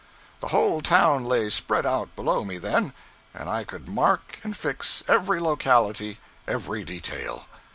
The whole town lay spread out below me then, and I could mark and fix every locality, every detail.